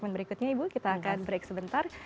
berikutnya ibu kita akan break sebentar